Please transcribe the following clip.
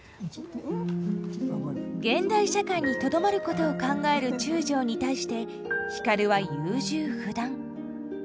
現代社会にとどまることを考える中将に対して光は優柔不断。